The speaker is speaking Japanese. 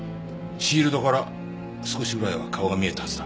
シールドから少しぐらいは顔が見えたはずだ。